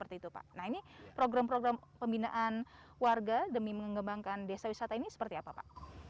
nah ini program program pembinaan warga demi mengembangkan desa wisata ini seperti apa pak